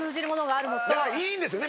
だからいいんですよね？